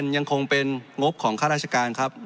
ยังคงเป็นงบของข้าราชการครับ